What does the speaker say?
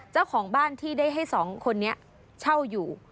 เจ้าของบ้านที่ได้ให้สองคนนี้เช่าอยู่